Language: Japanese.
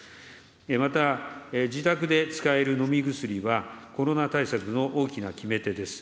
また、自宅で使える飲み薬は、コロナ対策の大きな決め手です。